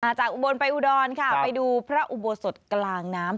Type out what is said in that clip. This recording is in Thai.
จากอุบลไปอุดรค่ะไปดูพระอุโบสถกลางน้ำ